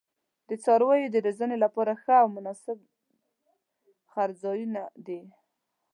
د څارویو د روزنې لپاره ښه او مناسب څړځایونه دي.